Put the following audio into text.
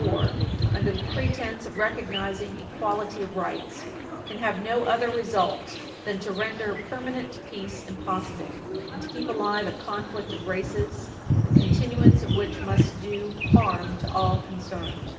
561 war under the pretence of recognizing equality of rights, can have no other result than to render permanent peace impossible and to keep alive a conflict of races the continuance of which must do harm to all concerned.